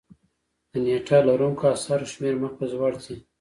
د نېټه لرونکو اثارو شمېر مخ په ځوړ ځي.